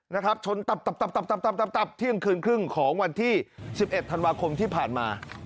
นะครับชนถ้ี่ยังคืนครึ่งของวันที่๑๑ธันวาคมที่ผ่านมา